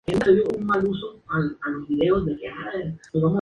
En ocasiones, se grababan los nombres de los reyes en estos ladrillos.